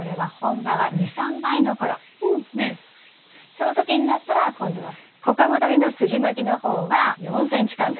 その時になったら今度は小株どりのすじまきの方は４ｃｍ間隔に。